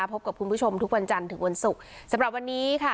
พบกับคุณผู้ชมทุกวันจันทร์ถึงวันศุกร์สำหรับวันนี้ค่ะ